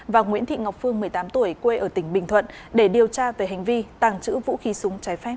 và nguyễn thị ngọc phương một mươi tám tuổi quê ở tỉnh bình thuận để điều tra về hành vi tàng trữ vũ khí súng trái phép